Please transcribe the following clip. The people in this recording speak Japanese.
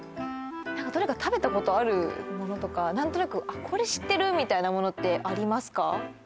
どれか食べたことあるものとか何となくこれ知ってるみたいなものってありますか？